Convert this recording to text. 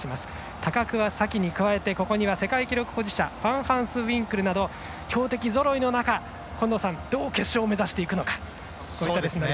高桑早生に加え世界記録保持者のファンハンスウィンクルなど強敵ぞろいの中近藤さんどう決勝を目指していくのか。